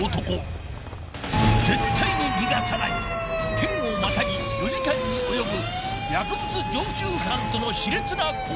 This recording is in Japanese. ［県をまたぎ４時間に及ぶ薬物常習犯との熾烈な攻防戦］